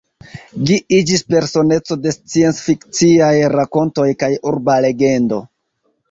Gi iĝis personeco de scienc-fikciaj rakontoj kaj urba legendo.